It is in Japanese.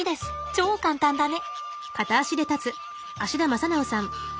超簡単だね！